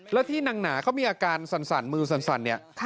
แล้วที่นางหนาเขามีอาการสั่นมือสั่นเนี่ย